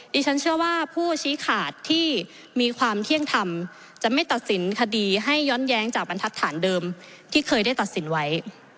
ดิฉันเชื่อว่าผู้ชี้ขาดที่มีความเที่ยงธรรมจะไม่ตัดสินคดีให้ย้อนแย้งจากบรรทัศน์เดิมที่เคยได้ตัดสินไว้